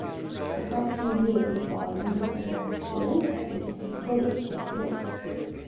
I got him the ale before I announced him. He winked at me as he put it to his lips.